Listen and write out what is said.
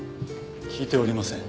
聞いておりません。